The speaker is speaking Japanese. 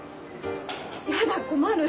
やだ困る。